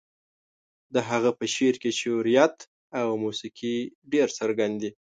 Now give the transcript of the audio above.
د هغه په شعر کې شعريت او موسيقي ډېر څرګند دي.